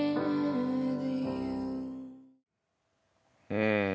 うん。